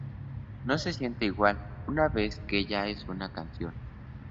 No se siente igual una vez que ya es una canción.